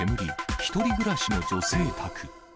１人暮らしの女性宅。